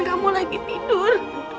kamu lagi tidur